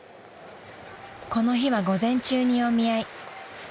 ［この日は午前中にお見合い］